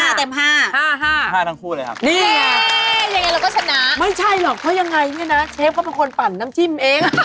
ทั้งคู่เลยครับนี่ยังไงเราก็ชนะไม่ใช่หรอกเพราะยังไงเนี่ยนะเชฟเขาเป็นคนปั่นน้ำจิ้มเอง